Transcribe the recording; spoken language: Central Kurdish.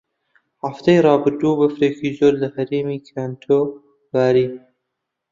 هەفتەی ڕابردوو بەفرێکی زۆر لە هەرێمی کانتۆ باری.